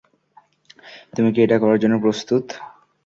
তুমি কি এটা করার জন্য প্রস্তুত?